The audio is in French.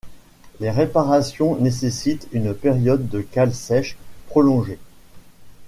Les réparations nécessitent une période de cale sèche prolongée.